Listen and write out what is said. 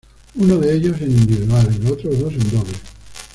Uno de ellos en individuales y los otros dos en dobles.